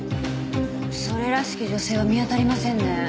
それらしき女性は見当たりませんね。